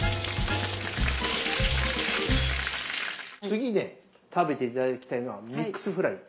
次ね食べて頂きたいのはミックスフライ。